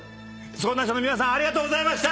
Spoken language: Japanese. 相談者の皆さんありがとうございました。